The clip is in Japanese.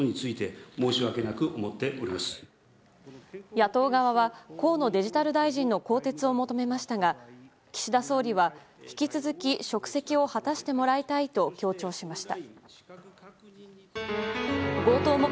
野党側は、河野デジタル大臣の更迭を求めましたが岸田総理は、引き続き職責を果たしてもらいたいと強調しました。